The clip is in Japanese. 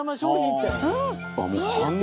って。